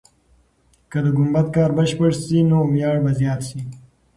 که د ګمبد کار بشپړ سي، نو ویاړ به زیات سي.